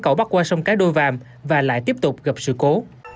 cầu bắt qua sông cái đôi vàm và lại tiếp tục gặp sự cố